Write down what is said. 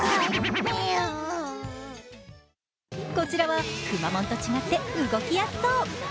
こちらは、くまモンと違って動きやすそう。